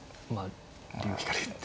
竜引かれて。